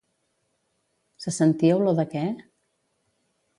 Se sentia olor de què?